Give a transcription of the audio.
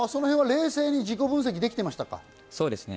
冷静に自己分析できていましたか？